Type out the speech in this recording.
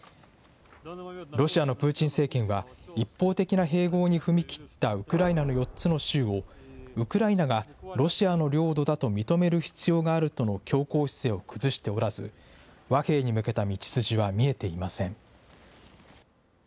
ロシアのプーチン政権は、一方的な併合に踏み切ったウクライナの４つの州を、ウクライナがロシアの領土だと認める必要があるとの強硬姿勢を崩しておらず、和平に向けた道筋は見えていません。